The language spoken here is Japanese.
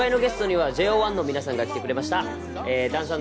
初回のゲストにはＪＯ１の皆さんが来てくれました。